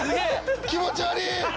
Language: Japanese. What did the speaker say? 気持ち悪い！